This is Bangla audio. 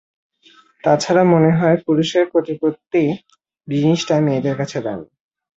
তা ছাড়া মনে হয়, পুরুষের প্রতিপত্তি জিনিসটা মেয়েদের কাছে দামী।